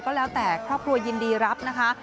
ก็แล้วแต่ครอบครัวยินดีรับนะคะ